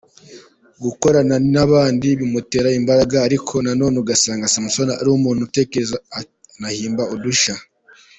Gukorana n’abandi bimutera imbaraga ariko nanone usanga Samson ari umuntu utekereza akanahimba udushya.